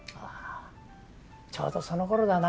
ちょうどそのころだな